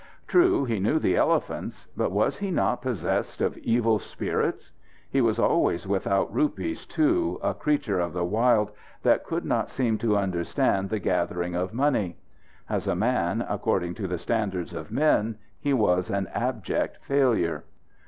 True, he knew the elephants, but was he not possessed of evil spirits? He was always without rupees, too, a creature of the wild that could not seem to understand the gathering of money. As a man, according to the standards of men, he was an abject failure.